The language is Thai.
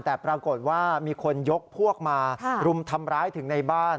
แต่ปรากฏว่ามีคนยกพวกมารุมทำร้ายถึงในบ้าน